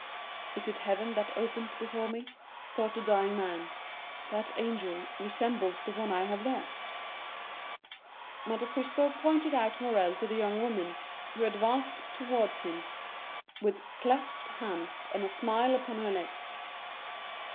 "Is it heaven that opens before me?" thought the dying man; "that angel resembles the one I have lost." Monte Cristo pointed out Morrel to the young woman, who advanced towards him with clasped hands and a smile upon her lips.